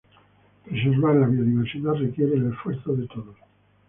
Preservar la biodiversidad requiere el esfuerzo de todos.